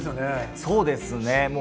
そうですね。